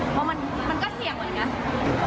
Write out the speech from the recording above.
เพราะมันก็เสียงแบบนี้